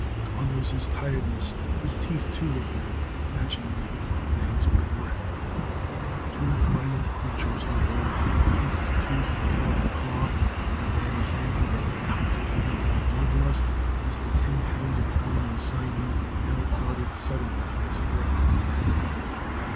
Gone was his tiredness; his teeth too were bared, matching the wicked fangs before him. Two primal creatures they were, tooth to tooth and claw to claw, the man as naked and intoxicated with the blood lust as the ten pounds of bone and sinew that now darted suddenly for his throat.